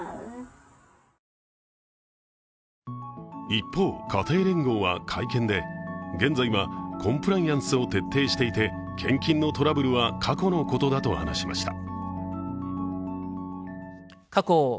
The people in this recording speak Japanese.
一方、家庭連合は会見で、現在はコンプライアンスを徹底していて献金のトラブルは過去のことだと話しました。